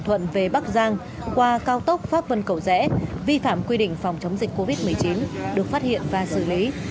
thuận về bắc giang qua cao tốc pháp vân cầu rẽ vi phạm quy định phòng chống dịch covid một mươi chín được phát hiện và xử lý